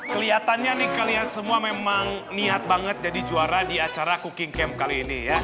kelihatannya nih kalian semua memang niat banget jadi juara di acara cooking camp kali ini ya